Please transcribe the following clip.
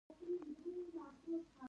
اورګاډي راتګ ته مې شېبې شمېرلې.